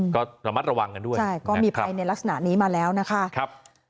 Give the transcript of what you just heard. ก็ระมัดระวังกันด้วยใช่ก็มีภัยในลักษณะนี้มาแล้วนะคะ